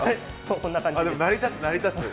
こんな感じです。